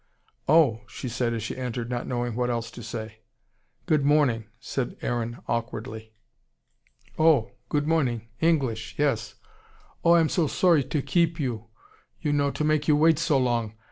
"Oh!" she said as she entered, not knowing what else to say. "Good morning," said Aaron awkwardly. "Oh, good morning! English! Yes! Oh, I am so sorry to keep you, you know, to make you wait so long.